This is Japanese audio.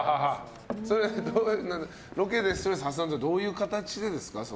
それはロケでストレス発散ってどういう形でですか？